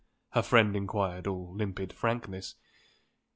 her friend inquired, all limpid frankness.